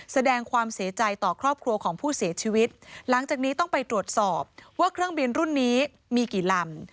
แสดงความเสียใจต่อครอบครัวของผู้เสียชีวิตหลังจากนี้ต้องไปตรวจสอบว่าเครื่องบินรุ่นนี้มีกี่ลำ